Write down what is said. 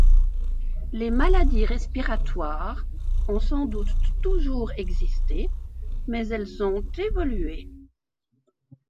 Les maladies respiratoires ont sans doute toujours existé, mais elles ont évolué.